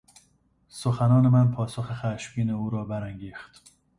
سخنان من پاسخ خشمگین او را برانگیخت.